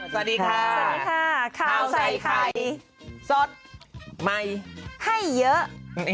สวัสดีค่ะสวัสดีค่ะข้าวใส่ไข่สดใหม่ให้เยอะ